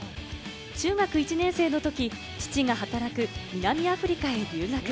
中学１年生のとき、父が働く南アフリカへ留学。